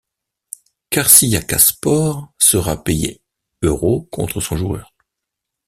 Karşiyakaspor sera payé euros contre son joueur.